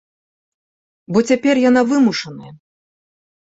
Бо цяпер яна вымушаная.